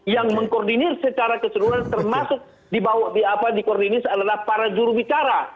yang mengkoordinir secara keseluruhan termasuk dibawa di apa di koordinir adalah para jurubicara